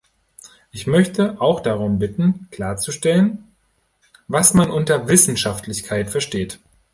Ich möchte auch darum bitten, klarzustellen, was man unter Wissenschaftlichkeit versteht.